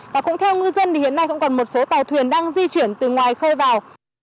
và cũng theo ngư dân thì hiện nay cũng còn một số tàu thuyền đang di chuyển từ ngoài khơi vào